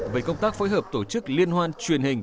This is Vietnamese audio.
về công tác phối hợp tổ chức liên hoan truyền hình